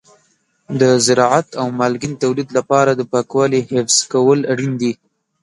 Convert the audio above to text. د زراعت او مالګین تولید لپاره د پاکوالي حفظ کول اړین دي.